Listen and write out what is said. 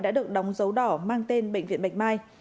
đã được đóng dấu đỏ mang tên bệnh viện bạch mai